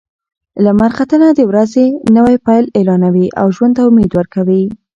لمر ختنه د ورځې نوی پیل اعلانوي او ژوند ته امید ورکوي.